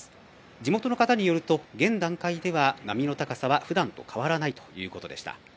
地元の方によると現段階では波の高さはふだんと変わらないということでした。